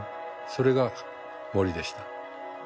それが森でした。